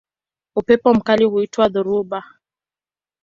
Upepo mkali huitwa dhoruba.